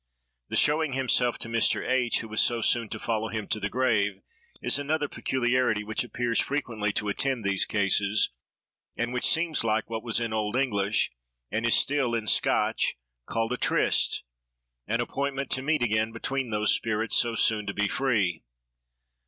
The showing himself to Mr. H——, who was so soon to follow him to the grave, is another peculiarity which appears frequently to attend these cases, and which seems like what was in old English, and is still in Scotch, called a tryst—an appointment to meet again between those spirits, so soon to be free.